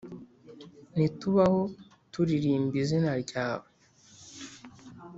nitubaho, turirimba izina ryawe,